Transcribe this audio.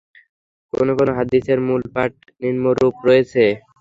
কোন কোন হাদীসের মূল পাঠ নিম্নরূপ রয়েছে।